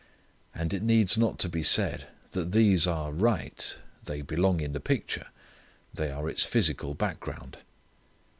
And it needs not to be said, that these are right; they belong in the picture; they are its physical background.